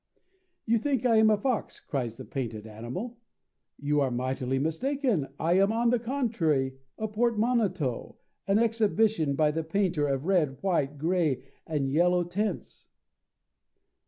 'You think I am a fox,' cries the painted animal. 'You are mightily mistaken; I am, on the contrary, a portmanteau, an exhibition by the painter of red, white, grey, and yellow tints.'"